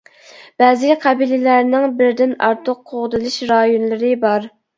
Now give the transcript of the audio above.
بەزى قەبىلىلەرنىڭ بىردىن ئارتۇق قوغدىلىش رايونلىرى بار.